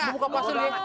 buka pasul ya